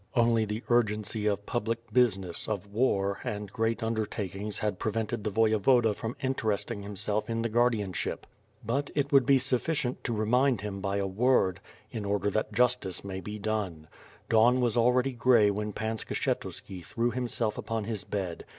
Only the urgency of public business, of war, and great under takings had prevented the voyevoda from interesting himself in the guardianship. But, it would be sufficient to remind him by a word, in order that justice might be done. Dawn was already gray when Pan Skshetuski threw himself upon his bed.